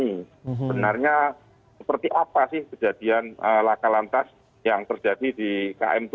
benarnya seperti apa sih kejadian laka lantas yang terjadi di km tujuh belas